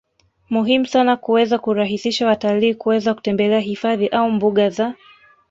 muhimu sana kuweza kurahisisha watalii kuweza kutembele hifadhi au mbuga za